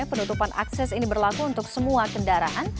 penutupan akses ini berlaku untuk semua kendaraan